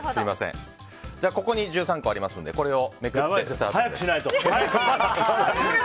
ここに１３個ありますのでこれをめくってスタートです。